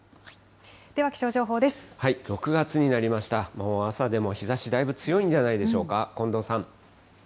もう、朝でも日ざし、だいぶ強いんじゃないでしょうか、近藤さん。